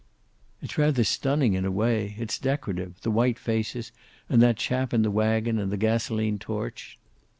"It's rather stunning, in a way. It's decorative; the white faces, and that chap in the wagon, and the gasoline torch."